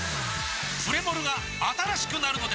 プレモルが新しくなるのです！